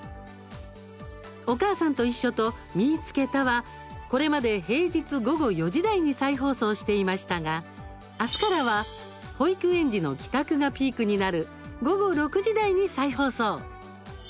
「おかあさんといっしょ」と「みいつけた！」はこれまで平日、午後４時台に再放送していましたがあすからは保育園児の帰宅がピークになる午後６時台に再放送。